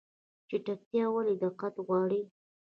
چټکتیا ولې دقت غواړي؟